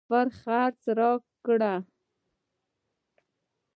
سفر خرڅ راکړ.